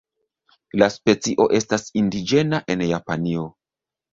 La specio estas indiĝena en Japanio.